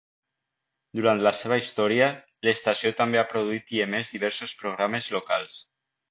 Durant la seva història, l'estació també ha produït i emès diversos programes locals.